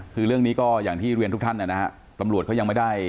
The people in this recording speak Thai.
คือเรื่องนี้ก็อย่างที่เรียนทุกท่านนะฮะตำรวจเขายังไม่ได้